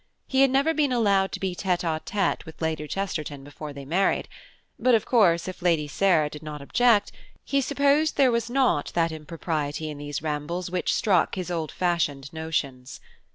He had never been allowed to be tête à tête with Lady Chesterton before they married; but, of course, if Lady Sarah did not object, he supposed there was not that impropriety in these rambles which struck his old fashioned notions.